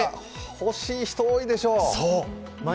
欲しい人多いでしょう。